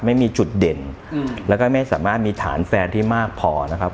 ไม่มีจุดเด่นแล้วก็ไม่สามารถมีฐานแฟนที่มากพอนะครับ